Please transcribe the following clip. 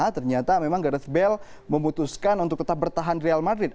ternyata memang garis bell memutuskan untuk tetap bertahan real madrid